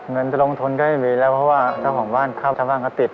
เงินจะลงทุนก็ไม่มีแล้วเพราะว่าเจ้าของบ้านเข้าทางบ้านก็ติด